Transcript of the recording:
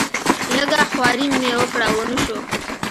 لږه خواري مې وکړه ونه شو.